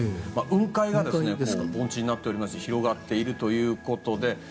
雲海が、盆地になっていて広がっているということで。